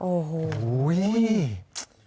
โอ้โห